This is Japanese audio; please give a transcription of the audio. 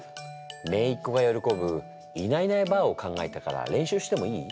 めいっ子がよろこぶいないいないばぁを考えたから練習してもいい？